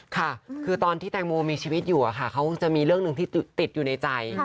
ค่ะคือตอนที่แตงโมมีชีวิตอยู่เขาจะมีเรื่องหนึ่งที่ติดอยู่ในใจ